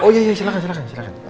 oh iya silahkan silahkan